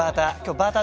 バーター。